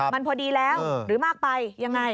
มันพอดีแล้วหรือมากไปยังไง